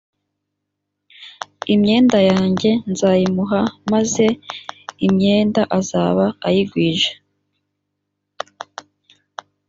imyenda yanjye nzayimuha maze imyenda azaba ayigwije